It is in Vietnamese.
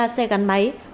hai mươi ba xe gắn máy